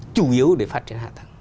chủ yếu để phát triển hạ tầng